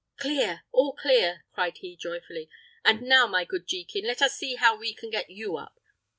"Clear, all clear!" cried he, joyfully. "And now, my good Jekin, let us see how we can get you up.